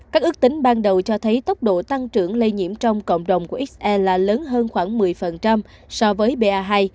các ước tính ban đầu cho thấy tốc độ tăng trưởng lây nhiễm trong cộng đồng của xr là lớn hơn khoảng một mươi so với ba hai